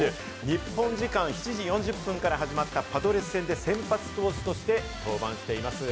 日本時間７時４０分から始まったパドレス戦で先発投手として登板しています。